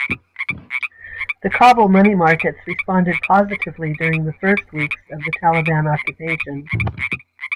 The Kabul money markets responded positively during the first weeks of the Taliban occupation.